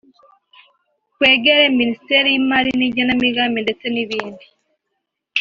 kwegera Minisiteri y’Imari n’Igenamigambi ndetse n’ibindi